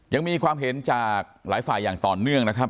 ยังมีความเห็นจากหลายฝ่ายอย่างต่อเนื่องนะครับ